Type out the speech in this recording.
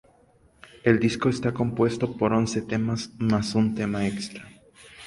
El disco está compuesto por once temas más un tema extra.